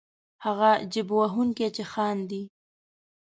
هغه جېب وهونکی چې خاندي.